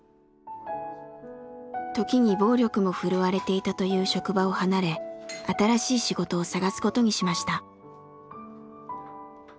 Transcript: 時に暴力も振るわれていたという職場を離れ新しい仕事を探すことにしました。